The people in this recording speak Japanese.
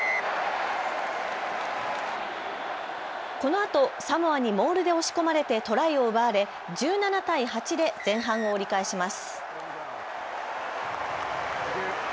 このあとサモアにモールで押し込まれてトライを奪われ１７対８で前半を折り返します。